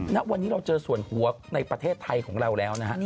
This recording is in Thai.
ณวันนี้เราเจอส่วนหัวในประเทศไทยของเราแล้วนะฮะ